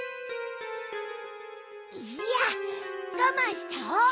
いいやがまんしちゃおう。